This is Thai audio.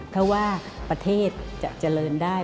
เพราะว่าประเทศจะเจริญได้